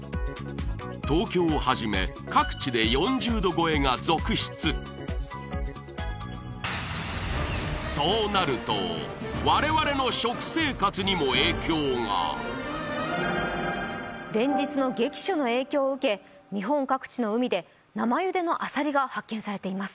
東京をはじめ各地で４０℃超えが続出そうなると我々の連日の激暑の影響を受け日本各地の海で生茹でのアサリが発見されています